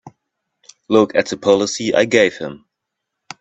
Look at the policy I gave him!